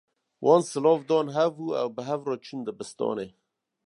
Wan silav dan hev û ew bi hev re çûn dibistanê.